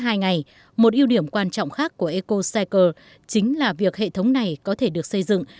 trong hai ngày một ưu điểm quan trọng khác của ecocycle chính là việc hệ thống này có thể được xây dựng